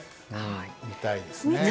見たいですね。